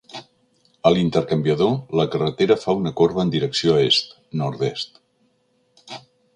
A l'intercanviador, la carretera fa una corba en direcció est, nord-est.